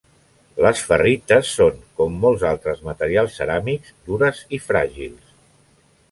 Les ferrites són, com molts altres materials ceràmics, dures i fràgils.